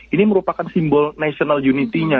ini merupakan simbol national unity nya